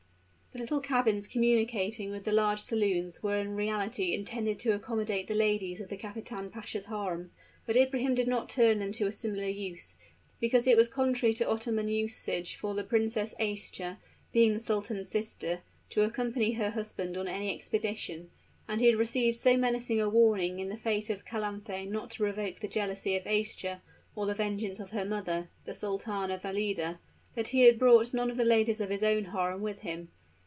The little cabins communicating with the large saloons were in reality intended to accomodate the ladies of the kapitan pasha's harem; but Ibrahim did not turn them to a similar use, because it was contrary to Ottoman usage for the Princess Aischa, being the sultan's sister, to accompany her husband on any expedition; and he had received so menacing a warning in the fate of Calanthe not to provoke the jealousy of Aischa or the vengeance of her mother, the Sultana Valida, that he had brought none of the ladies of his own harem with him.